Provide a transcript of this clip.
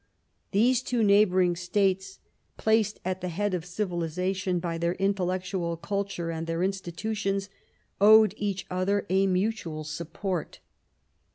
" These two neigh bouring States, placed at the head of civilisation by their intellectual culture and their institutions, owed each other a mutual support."